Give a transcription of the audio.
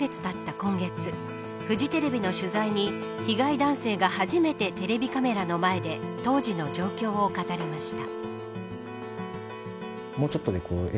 今月フジテレビの取材に被害男性が初めてテレビカメラの前で当時の状況を語りました。